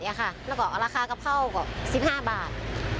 แล้วก็ราคากะเพราก็๑๕บาท